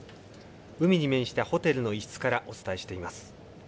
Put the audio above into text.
海に面したホテルの一室からお伝えしています。